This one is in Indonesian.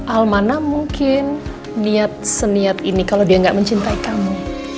almana mungkin niat seniat ini kalau dia nggak mencintai kamu